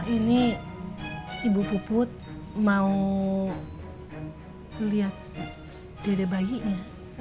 ini ibu poput mau lihat dedek bayinya